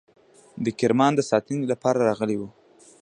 د کرمان د ساتنې لپاره راغلي وه.